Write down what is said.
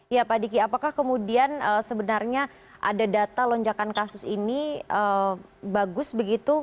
ya pak diki apakah kemudian sebenarnya ada data lonjakan kasus ini bagus begitu